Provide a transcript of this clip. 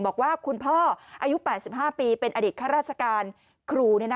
บอกว่าคุณพ่ออายุ๘๕ปีเป็นอดีตข้าราชการครู